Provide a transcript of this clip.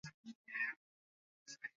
unwind kwenye mashua ya polepole karibu na